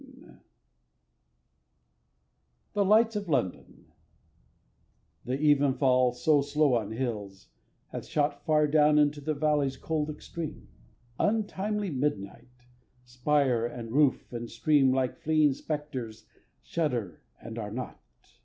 The Lights of London THE evenfall, so slow on hills, hath shot Far down into the valley's cold extreme, Untimely midnight; spire and roof and stream Like fleeing spectres, shudder and are not.